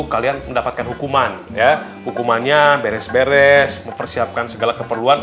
kalian mendapatkan hukuman ya hukumannya beres beres mempersiapkan segala keperluan